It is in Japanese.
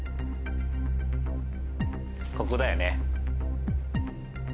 ここだよね。